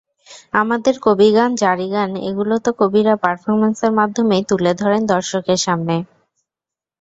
আমাদের কবিগান, জারিগান—এগুলো তো কবিরা পারফরম্যান্সের মাধ্যমেই তুলে ধরেন দর্শকের সামনে।